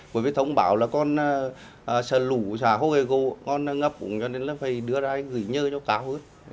bởi vì thông báo là con sợ lũ con ngấp ủng cho nên là phải đưa ra gửi nhơ cho cáo hết